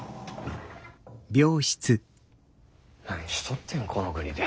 何しとってんこの国で。